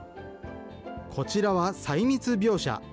こちらは細密描写。